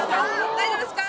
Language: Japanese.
大丈夫ですか？